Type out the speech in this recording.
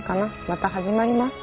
また始まります